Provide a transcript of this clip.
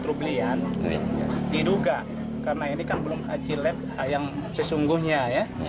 kalau belian diduga karena ini kan belum hasil lab yang sesungguhnya ya